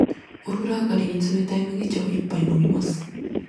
お風呂上がりに、冷たい麦茶を一杯飲みます。